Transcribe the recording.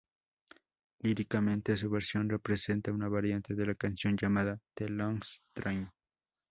Líricamente, su versión representa una variante de la canción llamada "The Longest Train".